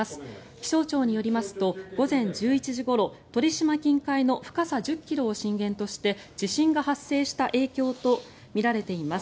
気象庁によりますと午前１１時ごろ鳥島近海の深さ１０ｋｍを震源として地震が発生した影響とみられています。